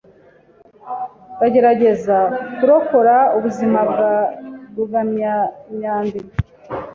Ndagerageza kurokora ubuzima bwa Rugumyamyambi.